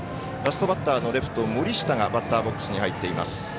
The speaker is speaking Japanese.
ラストバッターのレフト、森下がバッターボックスに入っています。